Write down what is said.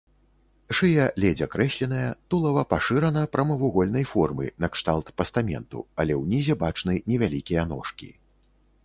Шыя ледзь акрэсленая, тулава пашырана, прамавугольнай формы накшталт пастаменту, але ўнізе бачны невялікія ножкі.